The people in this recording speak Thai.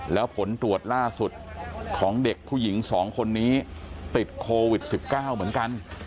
แล้วผลตรวจล่าสุดของเด็กผู้หญิง๒คนนี้ติดโควิด๑๙เหมือนกัน